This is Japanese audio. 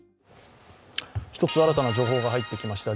１つ新たな情報が入ってきました。